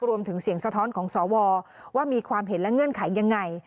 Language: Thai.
รวมถึงเสียงสะท้อนของสวว่ามีความเห็นและเงื่อนไขยังไง